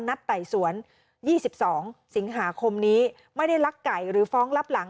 ไต่สวน๒๒สิงหาคมนี้ไม่ได้ลักไก่หรือฟ้องลับหลัง